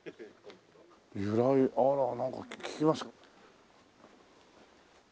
由来あらなんか聞きます？